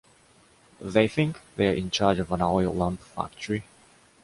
They think they are in charge of an oil lamp factory.